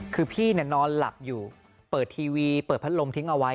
คือพี่นอนหลับอยู่เปิดทีวีเปิดพัดลมทิ้งเอาไว้